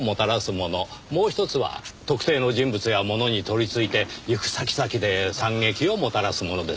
もう一つは特定の人物や物に取り憑いて行く先々で惨劇をもたらすものです。